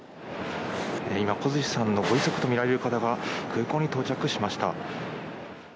今、小槌さんのご遺族とみられる方が空港に到着しました。